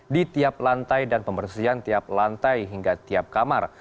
di tiap lantai dan pembersihan tiap lantai hingga tiap kamar